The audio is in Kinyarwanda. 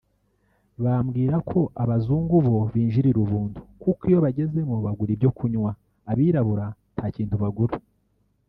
bambwira ko abazungu bo binjirira ubuntu kuko iyo bagezemo bagura ibyo kunywa Abirabura nta kintu bagura